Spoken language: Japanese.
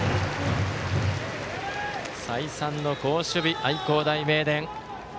再三の好守備、愛工大名電。